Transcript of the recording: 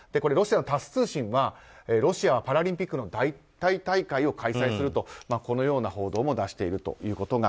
ロシアのタス通信はロシアはパラリンピックの代替大会を開催するとこのような報道も出していると。